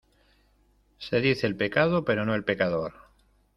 Se dice el pecado, pero no el pecador.